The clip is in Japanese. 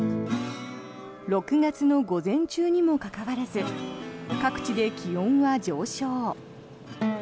６月の午前中にもかかわらず各地で気温は上昇。